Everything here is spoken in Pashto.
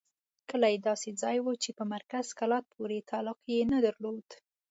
کلی داسې ځای وو چې په مرکز کلات پورې تعلق یې نه درلود.